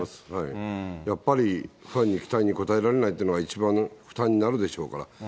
やっぱりファンの期待に応えられないというのが一番の負担になるでしょうから。